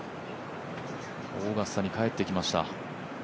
オーガスタに帰ってきました。